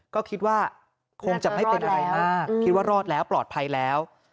ก็คิดว่าคงจะไม่เป็นอะไรมากคิดว่ารอดแล้วปลอดภัยแล้ว